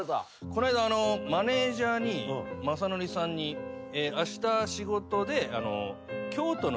この間マネジャー雅紀さんに「あした仕事で」